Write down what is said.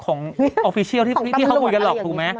ออฟฟิเชียลที่เขาคุยกันหรอกถูกไหม